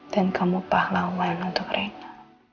dan kamu pahlawan untuk rina